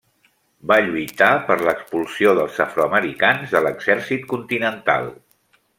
Va lluitar per a l'expulsió dels afroamericans de l'Exèrcit Continental.